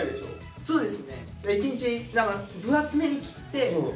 そうです。